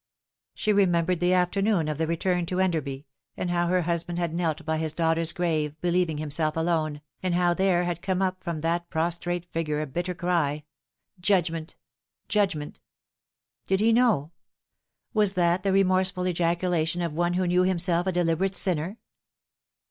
She remembered the afternoon of the return to Enderby, and how her husband had knelt by his daughter's grave, believ ing himself alone, and how there had come up from that pros trate figure a bitter cry :" Judgment ! judgment 1" Did he know ? Was that the remorseful ejaculation of one who knew himself a deliberate sinner